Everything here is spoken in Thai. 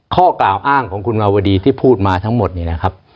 ข้อกล่าวอ้างของคุณมาวดีที่พูดมาทั้งหมดเนี่ยนะครับ